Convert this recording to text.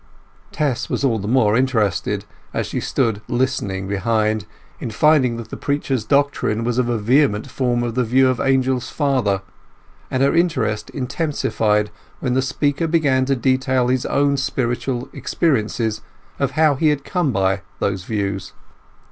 Tess was all the more interested, as she stood listening behind, in finding that the preacher's doctrine was a vehement form of the view of Angel's father, and her interest intensified when the speaker began to detail his own spiritual experiences of how he had come by those views.